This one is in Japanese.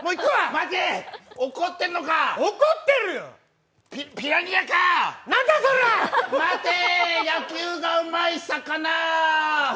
待てー、野球がうまい魚ー！